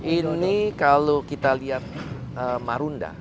ini kalau kita lihat marunda